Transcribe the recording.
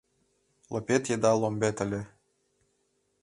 Лопет еда ломбет ыле.